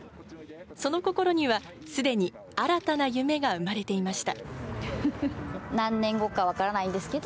その心には、すでに新たな夢が生まれていました。